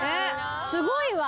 すごいわ。